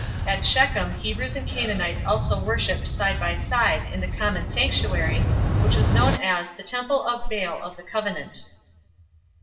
At Shechem Hebrews and Canaanites also worshipped side by side in the common sanctuary, which was known as "the temple of Baal of the Covenant."